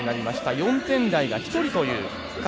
４点台が１人という形。